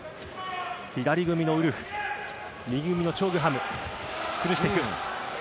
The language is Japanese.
左組みのウルフ右組みのチョ・グハム。